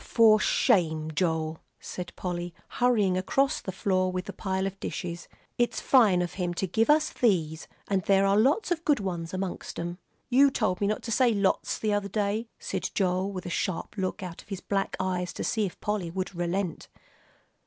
"For shame, Joel!" said Polly, hurrying across the floor with the pile of dishes; "it's fine of him to give us these. And there are lots of good ones amongst 'em." "You told me not to say 'lots,' the other day," said Joel, with a sharp look out of his black eyes to see if Polly would relent.